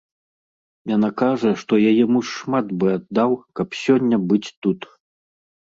Яна кажа, што яе муж шмат бы аддаў, каб сёння быць тут.